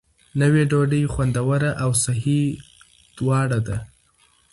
نوې ډوډۍ خوندوره او صحي دواړه ده.